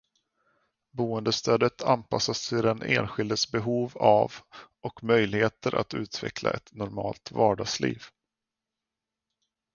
Boendestödet anpassas till den enskildes behov av och möjligheter att utveckla ett normalt vardagsliv.